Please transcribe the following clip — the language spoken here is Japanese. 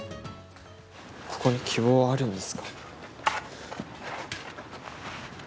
ここに希望はあるんですか？